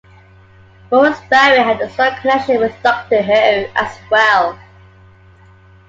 Morris Barry had a strong connection with "Doctor Who" as well.